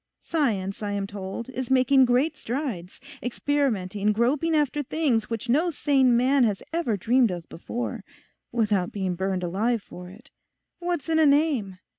Science, I am told, is making great strides, experimenting, groping after things which no sane man has ever dreamed of before—without being burned alive for it. What's in a name?